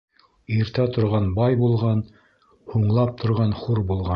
Иртә торған бай булған, Һуңлап торған хур булған.